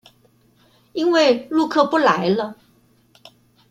因為陸客不來了